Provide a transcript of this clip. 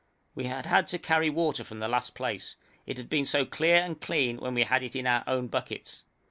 We had had to carry water from the last place. It had been so clear and clean when we had it in our own buckets.